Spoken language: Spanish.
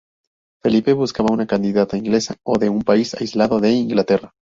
Felipe buscaba una candidata inglesa o de un país aliado de Inglaterra.